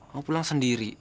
aku pulang sendiri